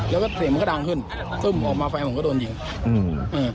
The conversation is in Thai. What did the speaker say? แล้วก็เสียงมันก็ดังขึ้นตึ้มออกมาแฟนผมก็โดนยิงอืมเออ